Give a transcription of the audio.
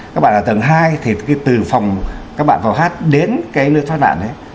các bạn ở tầng hai thì từ phòng các bạn vào hát đến cái nơi thoát nạn ấy